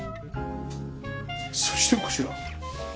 そしてこちら。